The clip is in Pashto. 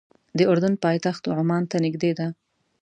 د اردن پایتخت عمان ته نږدې ده.